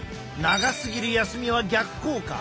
長すぎる休みは逆効果。